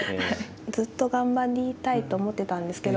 ずっと頑張りたいと思ってたんですけど